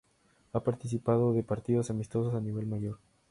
Ha participado de partidos amistosos a nivel mayor.